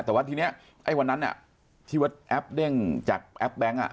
แต่ว่าทีนี้ไอ้วันนั้นที่วัดแอปเด้งจากแอปแบงค์